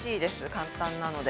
簡単なので。